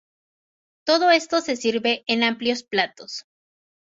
Todo esto se sirve en amplios platos.